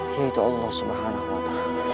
yaitu allah swt